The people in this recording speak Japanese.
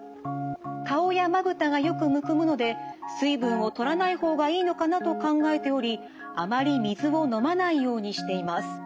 顔やまぶたがよくむくむので水分をとらない方がいいのかなと考えておりあまり水を飲まないようにしています。